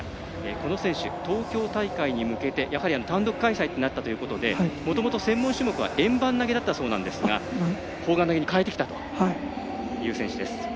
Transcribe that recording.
この選手、東京大会に向けて単独開催となったということでもともと専門種目は円盤投げだったそうなんですが砲丸投げに変えてきたという選手です。